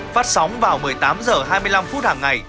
phát sóng vào một mươi tám h hai mươi năm phút hàng ngày